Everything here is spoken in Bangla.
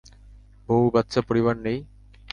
বৌ, বা্চ্চা, পরিবার নেই?